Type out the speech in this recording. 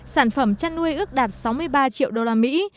sản phẩm chăn nuôi ước đạt sáu mươi ba triệu đô la mỹ